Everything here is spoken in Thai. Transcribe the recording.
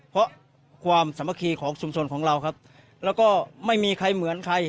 เพราะความสามัคคีของชุมชนของเราครับแล้วก็ไม่มีใครเหมือนใคร